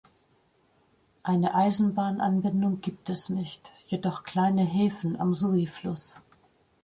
Eine Eisenbahnanbindung gibt es nicht, jedoch kleine Häfen am Sui-Fluss.